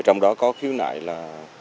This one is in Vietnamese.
trong đó có khiếu nại là